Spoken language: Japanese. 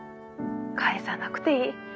☎返さなくていい。